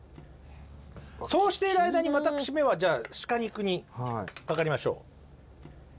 そうしている間に私めはシカ肉にかかりましょう。